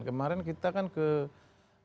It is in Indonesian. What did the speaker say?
kemarin kita kan ke